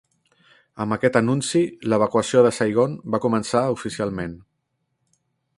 Amb aquest anunci, l'evacuació de Saigon va començar oficialment.